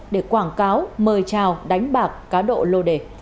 để quảng cáo mời trào đánh bạc cá độ lô đề